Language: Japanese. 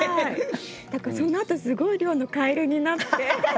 そのあとすごい量のカエルになって。